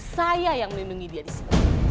saya yang melindungi dia disini